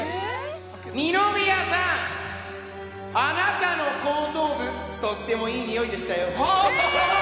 二宮さん、あなたの後頭部とってもいいにおいでしたよ。